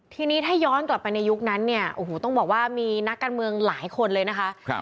ทีนี้ถ้าย้อนกลับไปในยุคนั้นเนี่ยโอ้โหต้องบอกว่ามีนักการเมืองหลายคนเลยนะคะ